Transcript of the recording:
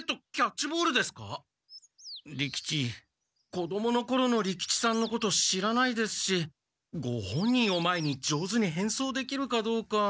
子どものころの利吉さんのこと知らないですしご本人を前に上手にへんそうできるかどうか。